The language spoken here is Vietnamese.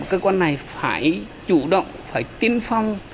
cơ quan này phải chủ động phải tiên phong